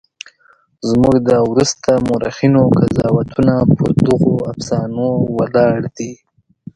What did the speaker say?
زموږ د وروسته مورخینو قضاوتونه پر دغو افسانو ولاړ دي.